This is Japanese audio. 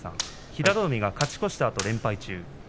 平戸海が勝ち越したあと連敗中。